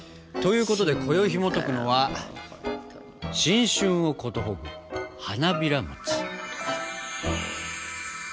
ということで今宵ひもとくのは新春を寿ぐ花びらもち。